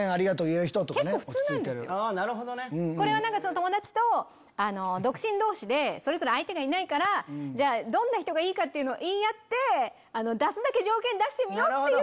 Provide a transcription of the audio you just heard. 友達と独身同士でそれぞれ相手がいないからどんな人がいいかを言い合って出すだけ条件出してみようって。